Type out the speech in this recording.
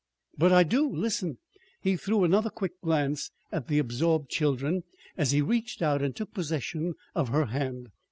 "But I do. Listen!" He threw another quick glance at the absorbed children as he reached out and took possession of her hand.